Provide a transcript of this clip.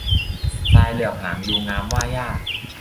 ทรายเหลือบหางยูงงาม ว่าหญ้า